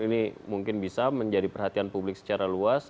ini mungkin bisa menjadi perhatian publik secara luas